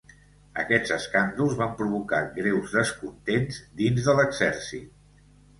Aquests escàndols van provocar greus descontents dins de l'exèrcit.